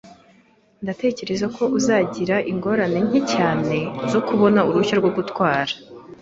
Ndatekereza ko uzagira ingorane nke cyane zo kubona uruhushya rwo gutwara.